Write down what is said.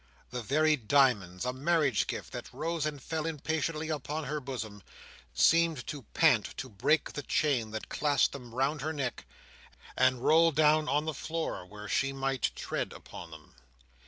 The very diamonds—a marriage gift—that rose and fell impatiently upon her bosom, seemed to pant to break the chain that clasped them round her neck, and roll down on the floor where she might tread upon them.